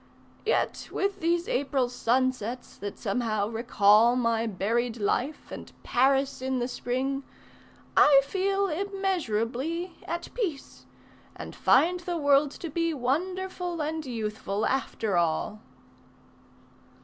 "Yet with these April sunsets, that somehow recall My buried life, and Paris in the Spring, I feel immeasurably at peace, and find the world To be wonderful and youthful, after all."